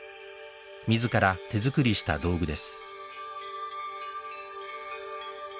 自ら手作りした道具です